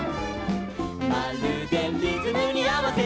「まるでリズムにあわせて」